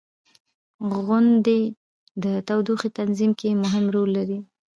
• غونډۍ د تودوخې تنظیم کې مهم رول لري.